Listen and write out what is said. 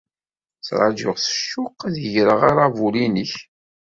Ttṛajuɣ s ccuq ad ɣreɣ aṛabul-nnek.